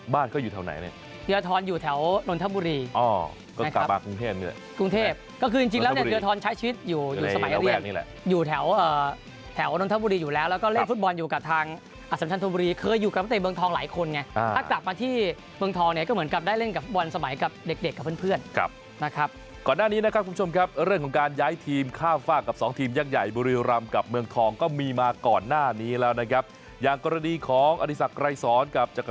บ้านก็อยู่แถวไหนเนี่ยเทือทรอยู่แถวนนทบุรีก็กลับมากรุงเทพกรุงเทพก็คือจริงแล้วเนี่ยเทือทรใช้ชีวิตอยู่สมัยเรียนอยู่แถวนนทบุรีอยู่แล้วแล้วก็เล่นฟุตบอลอยู่กับทางอสัมชาติธรรมบุรีเคยอยู่กับประเทศเมืองทองหลายคนไงถ้ากลับมาที่เมืองทองเนี่ยก็เหมือนกับได้เล่นกับบอลสมัยกับ